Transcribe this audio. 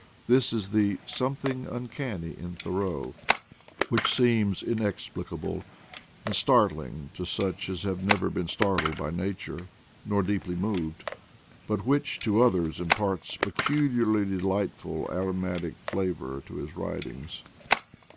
This is the "something uncanny in Thoreau" which seems in explicable and startling to such as have never been startled by nature, nor deeply moved; but which, to others, imparts a peculiarly delightful aro matic flavor to his writings.